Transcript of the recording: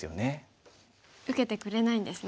受けてくれないんですね。